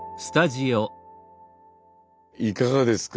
いかがですか。